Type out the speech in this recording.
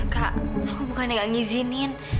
kak aku bukannya gak ngizinin